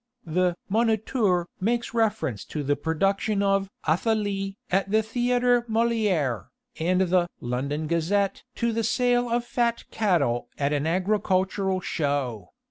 The Moniteur makes reference to the production of Athalie at the Théâtre Molière, and the London Gazette to the sale of fat cattle at an Agricultural Show.